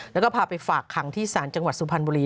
แล้วก็พาไปฝากขังที่ศาลจังหวัดสุพรรณบุรี